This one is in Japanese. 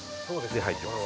で入ってます。